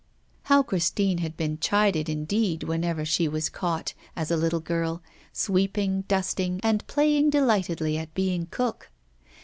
How Christine had been chided indeed whenever she was caught, as a little girl, sweeping, dusting, and playing delightedly at being cook!